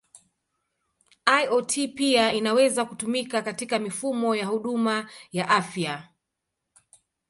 IoT pia inaweza kutumika katika mifumo ya huduma ya afya.